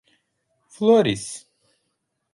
Flores